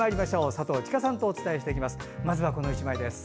佐藤千佳さんとお伝えします。